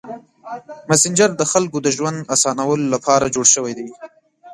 مسېنجر د خلکو د ژوند اسانولو لپاره جوړ شوی دی.